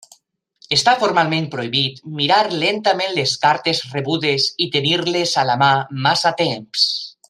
Està formalment prohibit mirar lentament les cartes rebudes i tenir-les a la mà massa temps.